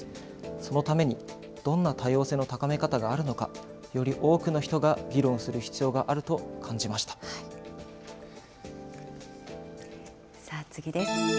そのためにどんな多様性の高め方があるのか、より多くの人が議論さあ、次です。